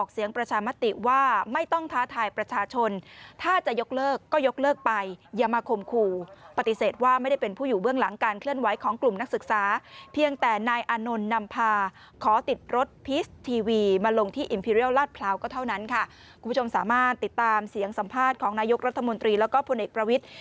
เสียงสัมภาษณ์ของนายุครัฐมนตรีแล้วก็พลเอกประวิทย์